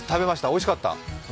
おいしかった。